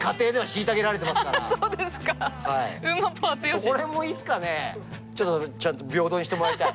そこら辺もいつかねちょっとちゃんと平等にしてもらいたい。